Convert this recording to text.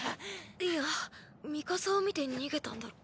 いやミカサを見て逃げたんだろ。